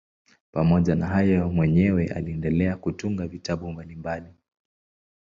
Pamoja na hayo mwenyewe aliendelea kutunga vitabu mbalimbali.